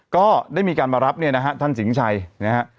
ก็ได้มีการมารับเนี่ยนะฮะท่านสิงชัยนะฮะ